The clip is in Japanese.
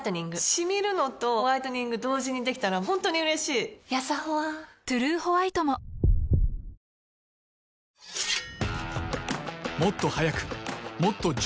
シミるのとホワイトニング同時にできたら本当に嬉しいやさホワ「トゥルーホワイト」も雪肌精に男性用はありません